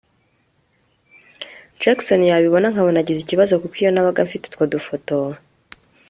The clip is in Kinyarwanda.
Jackson yabibona nkabona agize ikibazo kuko iyo nabaga mfite utwo dufoto